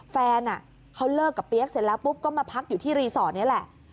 แฟนเขาเลิกกับเปี๊ยกเสร็จแล้วปุ๊บก็มาพักอยู่ที่รีสอร์ทนี้แหละ